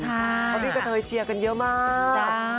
เพราะพี่กระเทยเชียร์กันเยอะมาก